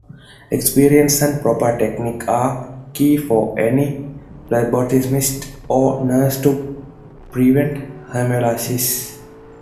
Experience and proper technique are key for any phlebotomist or nurse to prevent hemolysis.